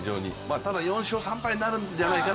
ただ４勝３敗になるんじゃないかな。